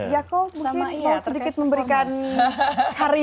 ya kok mungkin mau sedikit memberikan karyanya itu yang berfungsi